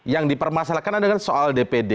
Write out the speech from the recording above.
yang dipermasalahkan adalah soal dpd